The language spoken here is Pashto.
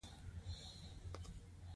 دا مواد په ډېره لوړه بیه پلورل کیږي.